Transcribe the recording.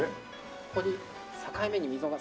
ここに境目に溝が。